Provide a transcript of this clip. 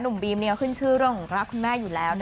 หนุ่มบีมเนี่ยขึ้นชื่อเรื่องรักคุณแม่อยู่แล้ว